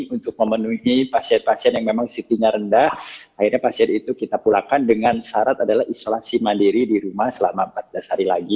untuk memenuhi pasien pasien yang memang ct nya rendah akhirnya pasien itu kita pulangkan dengan syarat adalah isolasi mandiri di rumah selama empat belas hari lagi